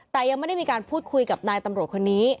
แต่ยังไม่ได้มีการพูดคุยกับนายตำรวจคนนี้